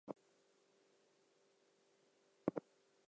You should see the smile on my face, Dowd said via phone.